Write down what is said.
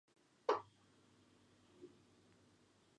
他主要关注的是城市中黑人及混血族群的生活。